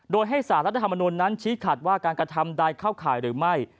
โดยให้สารรัฐธรรมนุนนั้นชี้ขัดว่าการกระทำใดเข้าข่ายหรือไม่